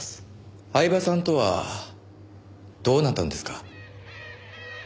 饗庭さんとはどうなったんですか？